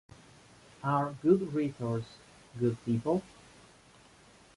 Are good rhetors good people?